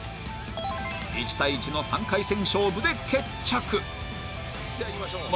１対１の３回戦勝負で決着